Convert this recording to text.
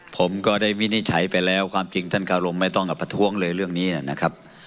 ผมก็ได้วินิจฉัยไปแล้วความจริงท่านคารมไม่ต้องกับประท้วงเลยเรื่องนี้นะครับ